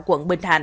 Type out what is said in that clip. quận bình thạnh